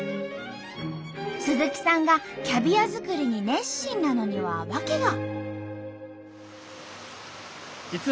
鈴木さんがキャビア作りに熱心なのにはワケが。